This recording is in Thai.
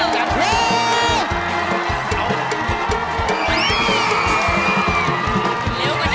เร็ว